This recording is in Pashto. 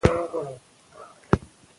موږ خپله ژبه وپالو، کلتوري هویت مو ساتل کېږي.